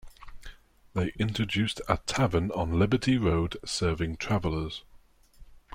They introduced a tavern on Liberty Road serving travelers.